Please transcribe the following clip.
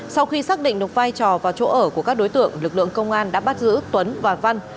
sau khi xác định được vai trò và chỗ ở của các đối tượng lực lượng công an đã bắt giữ tuấn và văn